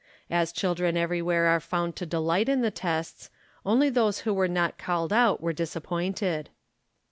As children everywhere are found to delight in the tests, only those who were not called out were disappointed.